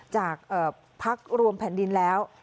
จากพักรวมแผ่นดินแล้ว